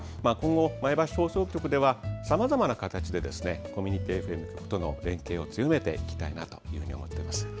前橋放送局ではさまざまな形でコミュニティＦＭとの連携を強めていきたいと思っています。